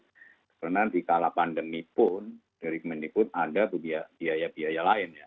sebenarnya di kala pandemi pun dari kementerian keput ada biaya biaya lain ya